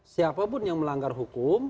siapapun yang melanggar hukum